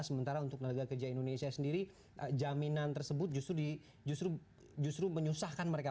sementara untuk tenaga kerja indonesia sendiri jaminan tersebut justru menyusahkan mereka